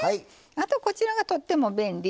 あとこちらがとっても便利。